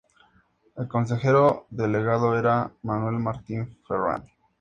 El consejero delegado era Manuel Martín Ferrand.